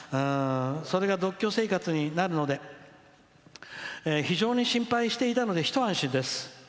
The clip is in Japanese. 「それが独居生活になるので非常に心配していたので一安心です。